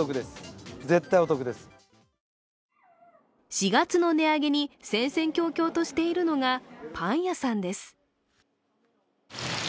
４月の値上げに戦々恐々としているのがパン屋さんです。